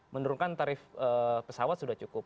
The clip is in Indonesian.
menurunkan tarif pesawat sudah cukup